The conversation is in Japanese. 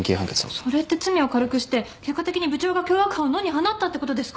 それって罪を軽くして結果的に部長が凶悪犯を野に放ったってことですか？